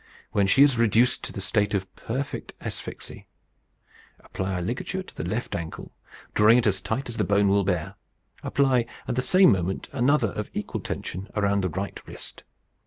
When she is reduced to a state of perfect asphyxy, apply a ligature to the left ankle, drawing it as tight as the bone will bear. Apply, at the same moment, another of equal tension around the right wrist.